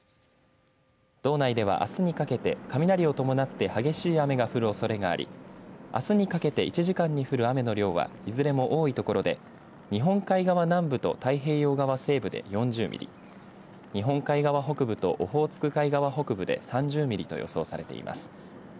道内では、あすにかけて雷を伴って激しい雨が降るおそれがありあすにかけて１時間に降る雨の量はいずれも多いところで日本海側南部と太平洋側西部で４０ミリ日本海側北部とオホーツク海側北部で３０ミリと予想されています。